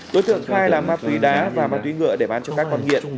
đối tượng khai là ma túy đá và ma túy ngựa để bán cho các con nghiện